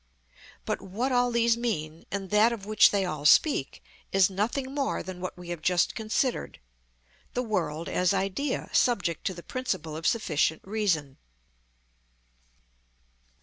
But what all these mean, and that of which they all speak, is nothing more than what we have just considered—the world as idea subject to the principle of sufficient reason.